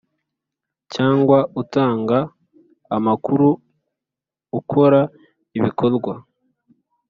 Cyangwa utanga amakuru ukora ibikorwa